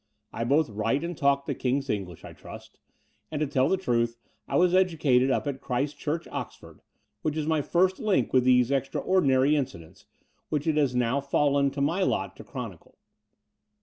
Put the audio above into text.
I both write and talk the King's English, I trust; and to tell the truth, I was educated up at Christ Church, Oxford, which is my first link with these extraordinary incidents, which it has now fallen to my lot to chronicle.